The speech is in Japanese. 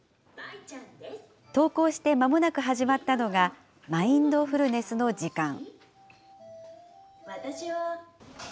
登校してまもなく始まったのが、マインドフルネスの時間。